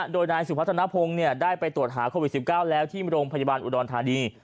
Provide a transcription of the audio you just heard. โดยนายสุพัฒนภงได้ไปตรวจหาโควิด๑๙แล้วที่โรงพยาบาลอุดรธานี